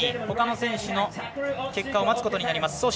ほかの選手の結果を待つことになります。